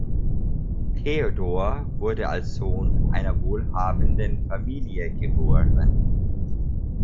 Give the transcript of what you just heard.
Theodor wurde als Sohn einer wohlhabenden Familie geboren.